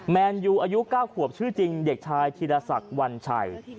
แมนยูอายุ๙ขวบชื่อจริงเด็กชายธีรศักดิ์วันชัย